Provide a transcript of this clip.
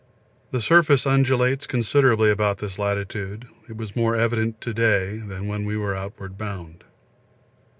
The surface undulates considerably about this latitude; it was more evident to day than when we were outward bound.